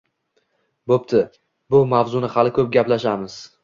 Bo‘pti, bu mavzuni hali ko‘p gaplashamiz.